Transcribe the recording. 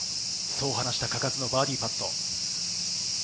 そう話した嘉数のバーディーパット。